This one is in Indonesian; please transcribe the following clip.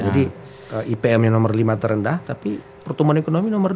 jadi ipmnya nomor lima terendah tapi pertumbuhan ekonomi nomor dua